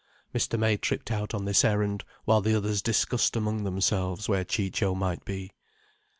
Mr. May tripped out on this errand, while the others discussed among themselves where Ciccio might be.